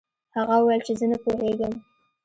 هغه وویل چې زه نه پوهیږم.